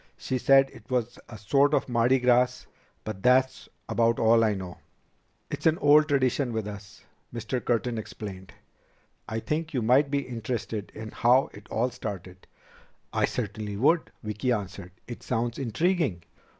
"She said it was a sort of Mardi Gras, but that's about all I know." "It's an old tradition with us," Mr. Curtin explained. "I think you might be interested in how it all started." "I certainly would," Vicki answered. "It sounds intriguing."